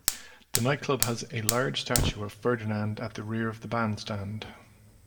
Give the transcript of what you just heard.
The nightclub has a large statue of Ferdinand at the rear of the bandstand.